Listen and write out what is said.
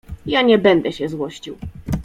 — Ja nie będę się złościł.